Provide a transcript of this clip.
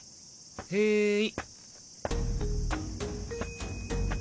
へい。